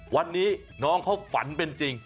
วันนี้น้องเขาฝันเป็นจริง